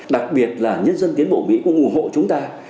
đặc biệt là nhân dân tiến bộ mỹ cũng ủng hộ chúng ta